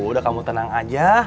udah kamu tenang aja